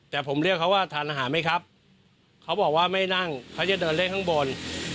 แต่ผมเรียกเขาว่าทานอาหารไหมครับเขาบอกว่าไม่นั่งเขาจะเดินเล่นข้างบน